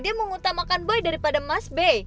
dia mengutamakan boy daripada mas be